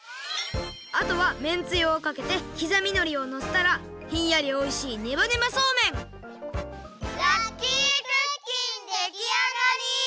あとはめんつゆをかけてきざみのりをのせたらひんやりおいしいラッキークッキンできあがり！